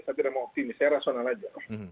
saya tidak mau optimis saya rasional saja